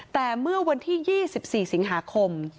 แต่เมื่อวันที่๒๔สิงหาคม